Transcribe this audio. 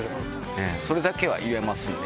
それだけは言えますんで。